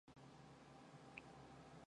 Дансанд маань хорь хүрэхгүй доллар үлдсэн.